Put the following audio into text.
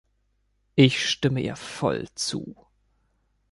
Ich stimme ihr voll zu.